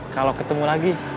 kalau ketemu lagi